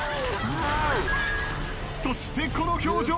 そしてこの表情。